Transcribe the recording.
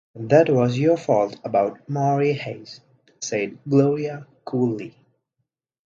"That was your fault about Maury Hayes," said Gloria coolly.